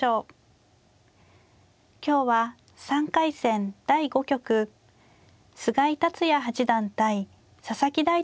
今日は３回戦第５局菅井竜也八段対佐々木大地